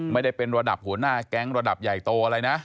ไม่ได้เป็นระดับหัวหน้าแก๊งระดับใหญ่โตอะไรนะ